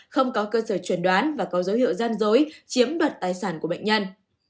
không có cơ sở chuẩn đoán và có dấu hiệu gian dối chiếm đoạt tài sản của bệnh nhân